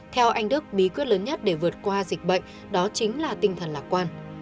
theo anh đức bí quyết lớn nhất để vượt qua dịch bệnh đó chính là tinh thần lạc quan